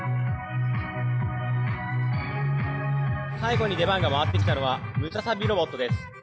・最後に出番が回ってきたのはムササビロボットです。